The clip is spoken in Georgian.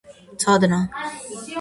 ცოდნა